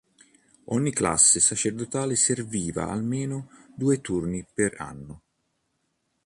Ogni classe sacerdotale serviva almeno due turni per anno.